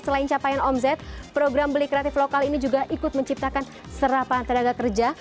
selain capaian omset program beli kreatif lokal ini juga ikut menciptakan serapan tenaga kerja